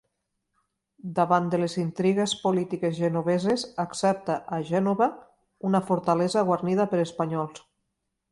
Davant de les intrigues polítiques genoveses, accepta a Gènova una fortalesa guarnida per espanyols.